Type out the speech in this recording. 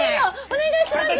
お願いします！